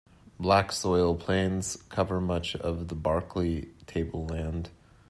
Black soil plains cover much of the Barkly Tableland.